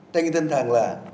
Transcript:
trang trí thân thàng là